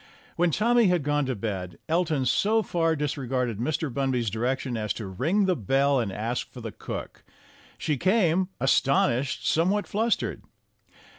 When Tommy had gone to bed, Elton so far dis regarded Mr. Bunby's direction as to ring the bell and ask for the cook. She came, astonished, somewhat flustered.